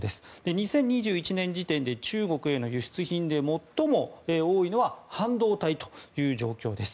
２０２１年時点で中国への輸出品で最も多いのは半導体という状況です。